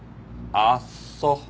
あっそう。